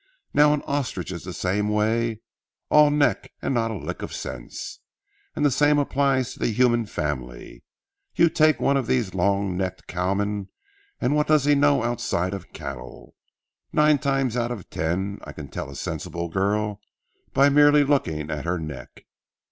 Now an ostrich is the same way, all neck with not a lick of sense. And the same applies to the human family. You take one of these long necked cowmen and what does he know outside of cattle. Nine times out of ten, I can tell a sensible girl by merely looking at her neck.